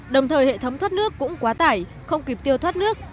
đồng thời hệ thống thoát nước cũng quá tải không kịp tiêu thoát nước